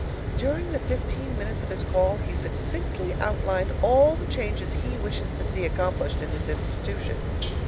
During the fifteen minutes of his call he succinctly outlined all the changes he wishes to see accomplished in this institution.